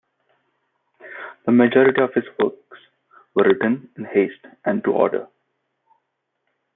The majority of his works were written in haste and to order.